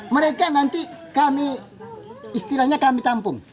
mereka nanti kami istilahnya kami tampung